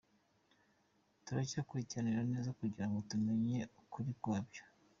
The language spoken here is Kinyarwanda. Turacyakurikirana neza kugira ngo tumenye ukuri kwabyo.